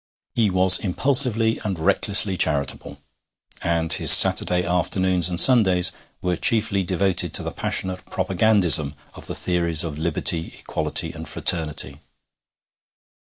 He was impulsively and recklessly charitable, and his Saturday afternoons and Sundays were chiefly devoted to the passionate propagandism of the theories of liberty, equality, and fraternity.